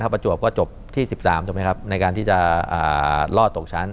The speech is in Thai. ประจวบก็จบที่๑๓ในการที่จะรอดตกชั้น